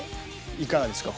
いかがですか？